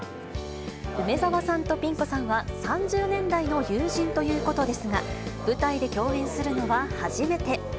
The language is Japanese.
梅沢さんとピン子さんは、３０年来の友人ということですが、舞台で共演するのは初めて。